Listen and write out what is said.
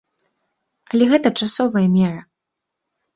Але гэта часовая мера.